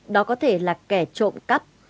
đó có thể là kẻ trộm cắp